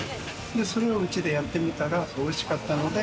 それを、うちでやってみたら美味しかったので。